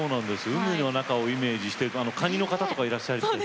海の中をイメージしてカニの方とかいらっしゃったり。